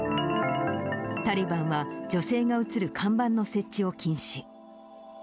タリバンは、女性が写る看板の設置を禁止。